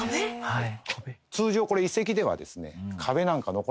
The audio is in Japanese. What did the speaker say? はい。